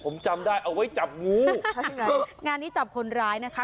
ผมจำได้เอาไว้จับงูงานนี้จับคนร้ายนะคะ